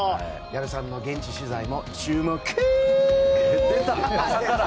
矢部さんの現地取材も注目！